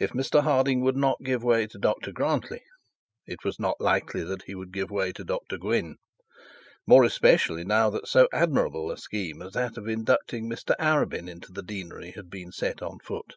If Mr Harding would not give way to Dr Grantly, it was not likely that he would give way to Dr Gwynne; more especially now that so admirable a scheme as that of inducting Mr Arabin into the deanery had been set on foot.